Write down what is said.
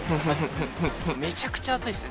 めちゃくちゃ暑いですね。